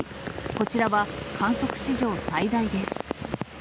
こちらは観測史上最大です。